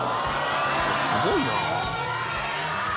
すごいな。